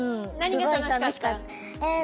すごい楽しかった。